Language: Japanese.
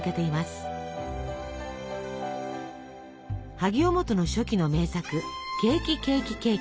萩尾望都の初期の名作「ケーキケーキケーキ」。